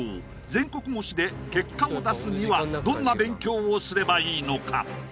全国模試で結果を出すにはどんな勉強をすればいいのか？